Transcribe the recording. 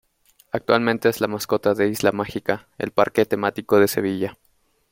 Actualmente es la mascota de Isla Mágica, el parque temático de Sevilla.